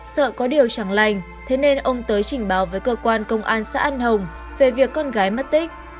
sợ có điều chẳng lành thế nên ông tới trình báo với cơ quan công an xã an hồng về việc con gái mất tích